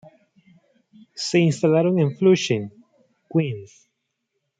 Se instalaron en Flushing, Queens.